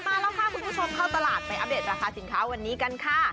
มาแล้วพาคุณผู้ชมเข้าตลาดไปอัปเดตราคาสินค้าวันนี้กันค่ะ